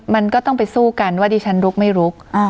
มันก็ต้องไปสู้กันว่าดิฉันลุกไม่ลุก